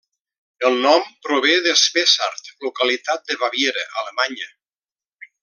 El nom prové de Spessart, localitat de Baviera, Alemanya.